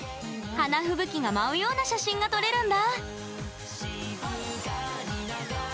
花吹雪が舞うような写真が撮れるんだ。